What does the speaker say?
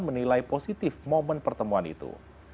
menilai positif momen pertemuan itu